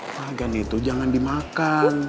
megan itu jangan dimakan